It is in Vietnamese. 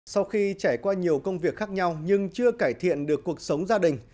sau khi trải qua nhiều công việc khác nhau nhưng chưa cải thiện được cuộc sống gia đình